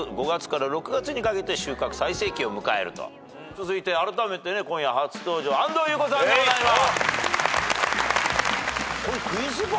続いてあらためて今夜初登場安藤優子さんでございます。